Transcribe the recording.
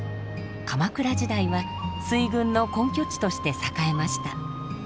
鎌倉時代は水軍の根拠地として栄えました。